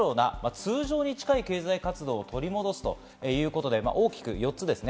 通常に近い経済活動を取り戻すということで大きく４つですね。